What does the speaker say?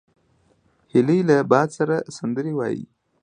هیلۍ له باد سره سندرې وايي